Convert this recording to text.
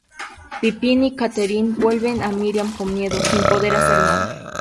Pippin y Catherine, vuelven y miran con miedo, sin poder hacer nada.